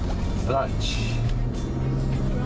ランチ。